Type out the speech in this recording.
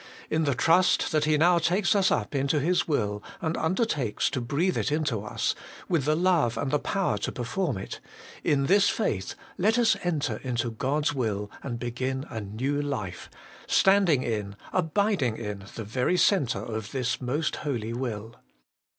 In the trust that He now takes us up into His will, and undertakes to breathe it into us, with the love and the power to perform it in this faith let us enter into God's will, and begin a new life ; standing in, abiding in the very centre of this most holy will.